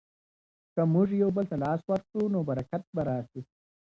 که موږ یو بل ته لاس ورکړو نو برکت به راسي.